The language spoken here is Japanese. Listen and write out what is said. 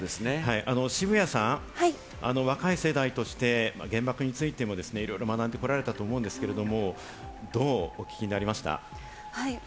渋谷さん、若い世代として、原爆についてもいろいろ学んでこられたと思うんですけど。